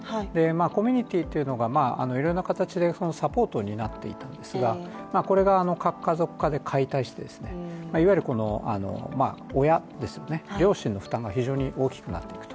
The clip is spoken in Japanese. コミュニティーというのがいろんな形でサポートになっていたんですがこれが核家族化で解体していわゆる親、両親の負担が非常に大きくなってくと。